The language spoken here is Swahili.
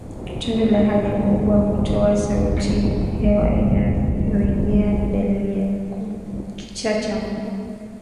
Tundu la haja kubwa hutoa sauti hewa inavyoingia ni dalili ya kichaa cha mbwa